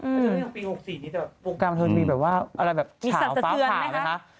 เรื่องปี๖๔นี้โปรกรามเธอมีแบบว่าชาวฟ้าผ่ามีสัตว์สะเทือนไหมคะ